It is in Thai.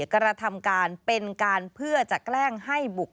กระทำการเป็นการเพื่อจะแกล้งให้บุก